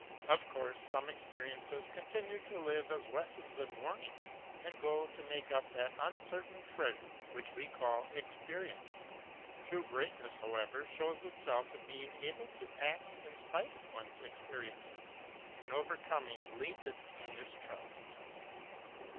Of course some experiences continue to live as lessons and warnings and go to make up that uncertain treasure which we call Experience. True greatness, however, shows itself in being able to act in spite of one's experiences, in over coming latent mistrust.